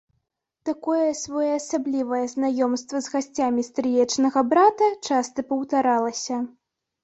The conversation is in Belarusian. Такое своеасаблівае знаёмства з гасцямі стрыечнага брата часта паўтаралася.